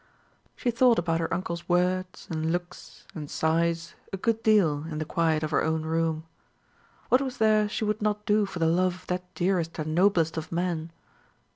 She thought about her uncle's words and looks and sighs a good deal in the quiet of her own room. What was there she would not do for the love of that dearest and noblest of men?